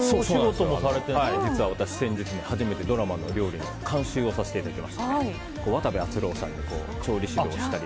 実は私先日ドラマの監修をさせていただきまして渡部篤郎さん、調理師としたり。